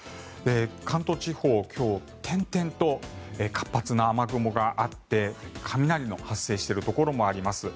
関東地方、今日点々と活発な雨雲があって雷の発生しているところもあります。